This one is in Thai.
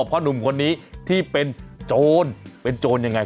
เพราะหนุ่มคนนี้ที่เป็นโจรเป็นโจรยังไง